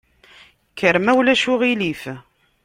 Kker ma ulac aɣilif.